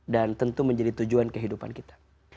dan tentu menjadi tujuan kehidupan kita